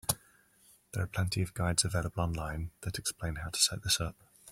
There are plenty of guides available online that explain how to set this up.